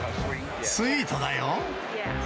スイートだよ。